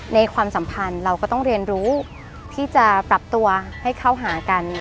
ความสัมพันธ์เราก็ต้องเรียนรู้ที่จะปรับตัวให้เข้าหากัน